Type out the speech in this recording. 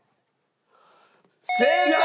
正解！